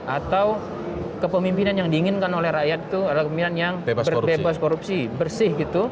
atau kepemimpinan yang diinginkan oleh rakyat itu adalah kepemimpinan yang bebas korupsi bersih gitu